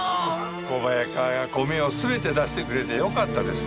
小早川が米を全て出してくれてよかったですね。